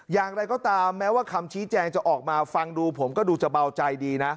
อย่างไรก็ตามแม้ว่าคำชี้แจงจะออกมาฟังดูผมก็ดูจะเบาใจดีนะ